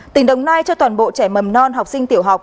tỉnh đồng nai cho toàn bộ trẻ mầm non học sinh tiểu học